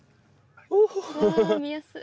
わあ見やすい。